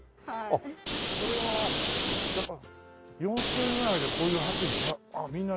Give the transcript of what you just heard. あっこれはやっぱ４０００円ぐらいでこういう白衣みんな